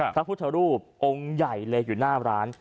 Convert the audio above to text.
พระพุทธรูปองค์ใหญ่เลยอยู่หน้าร้าน